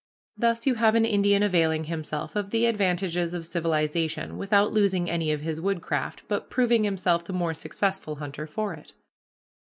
Thus you have an Indian availing himself of the advantages of civilization, without losing any of his woodcraft, but proving himself the more successful hunter for it.